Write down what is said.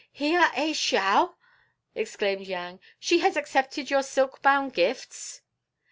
"Hiya ai Shao!" exclaimed Yang; "she has accepted your silk bound gifts?"